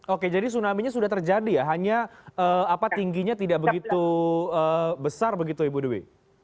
oke jadi tsunami nya sudah terjadi ya hanya tingginya tidak begitu besar begitu ibu dwi